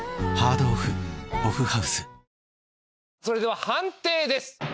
それでは判定です。